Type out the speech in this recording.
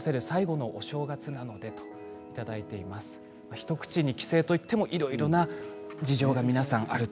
一口に帰省といってもいろいろな事情が皆さんあると。